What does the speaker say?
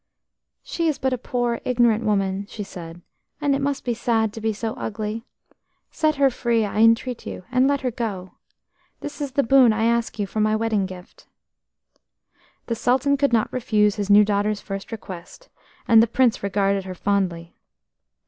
"She is but a poor ignorant woman," she said, "and it must be sad to be so ugly. Set her free, I entreat you, and let her go. This is the boon I ask you for my wedding gift." The Sultan could not refuse his new daughter's first request, and the Prince regarded her fondly.